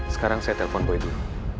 sekarang saya telpon boy dulu